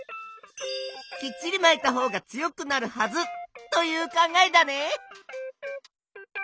きっちりまいたほうが強くなるはずという考えだね。